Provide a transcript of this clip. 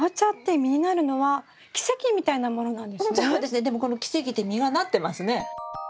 でもこの奇跡で実がなってますね。